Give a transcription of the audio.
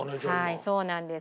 はいそうなんです。